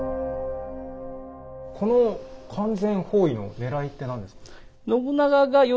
この完全包囲のねらいって何ですか？